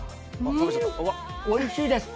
おいしいです。